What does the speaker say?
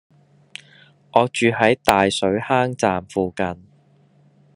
我住喺大水坑站附近